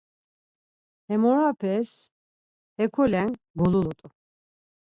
Hemeropes hekolen golulut̆u.